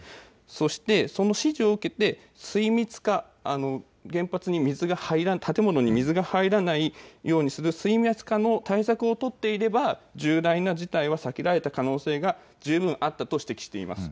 そして、その指示を受けて、水密化、原発に建物に水が入らないようにする水密化の対策を取っていれば、重大な事態は避けられた可能性が十分あったと指摘しています。